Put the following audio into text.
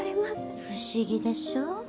不思議でしょう？